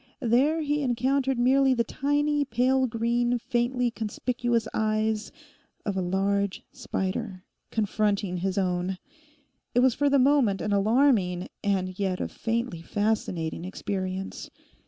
There he encountered merely the tiny, pale green, faintly conspicuous eyes of a large spider, confronting his own. It was for the moment an alarming, and yet a faintly fascinating experience.